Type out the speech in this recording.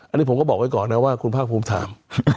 อันนี้ผมก็บอกไว้ก่อนนะว่าคุณภาคภูมิถาม